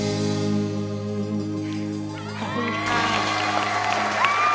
ขอบคุณค่ะ